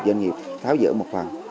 doanh nghiệp tháo rỡ một phần